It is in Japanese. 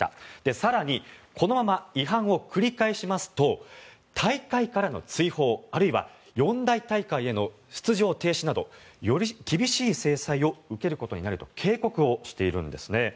更に、このまま違反を繰り返しますと大会からの追放あるいは四大大会への出場停止などより厳しい制裁を受けることになると警告をしているんですね。